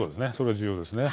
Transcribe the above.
重要ですね。